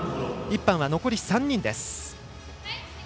１班は残り３人です。